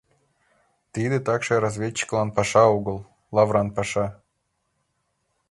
Тиде такше разведчиклык паша огыл — лавран паша.